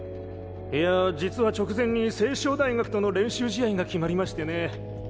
いや実は直前に青翔大学との練習試合が決まりましてね。